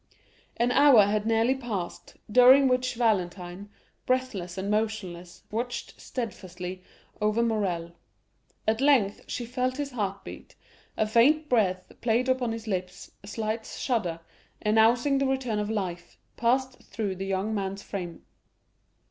50279m An hour had nearly passed, during which Valentine, breathless and motionless, watched steadfastly over Morrel. At length she felt his heart beat, a faint breath played upon his lips, a slight shudder, announcing the return of life, passed through the young man's frame.